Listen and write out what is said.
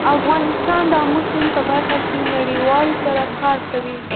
افغانستان د آمو سیند په برخه کې نړیوالو سره کار کوي.